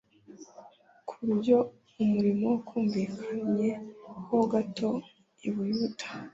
ku buryo umurimo wumvikanye ho gato i Buyuda,